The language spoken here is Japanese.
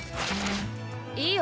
いいよ